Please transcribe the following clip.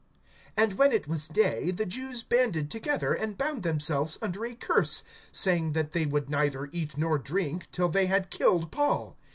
(12)And when it was day, the Jews banded together, and bound themselves under a curse, saying that they would neither eat nor drink till they had killed Paul.